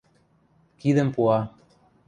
Кидӹм пуа.